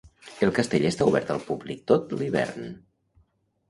El castell està obert al públic tot l'hivern.